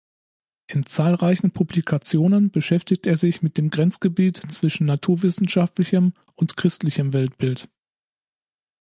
In zahlreichen Publikationen beschäftigt er sich mit dem Grenzgebiet zwischen naturwissenschaftlichem und christlichem Weltbild.